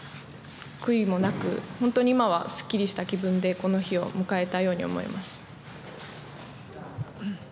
悔いもなく本当に今はすっきりした気分でこの日を迎えたように思います。